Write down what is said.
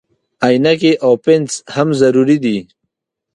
عینکې او پنس هم ضروري دي.